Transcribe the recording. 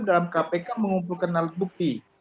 dalam kpk mengumpulkan alat bukti